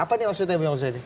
apa nih maksudnya bung yose